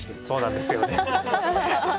そうなんですよね。